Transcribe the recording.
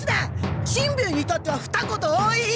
しんべヱにいたってはふた言多い！